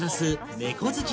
猫好き